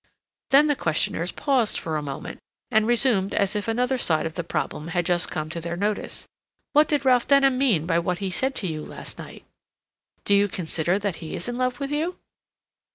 Then the questioners paused for a moment, and resumed as if another side of the problem had just come to their notice. What did Ralph Denham mean by what he said to you last night? Do you consider that he is in love with you?